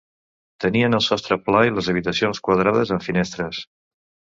Tenien el sostre pla i les habitacions quadrades, amb finestres.